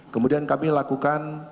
kemudian kami lakukan